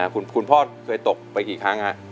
คุณพ่อเคยตกไปกี่ครั้ง